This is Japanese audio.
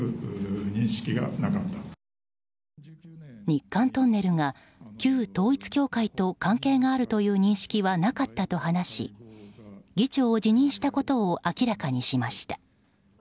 日韓トンネルが旧統一教会と関係があるという認識はなかったと話し議長を辞任したことを明らかにしました。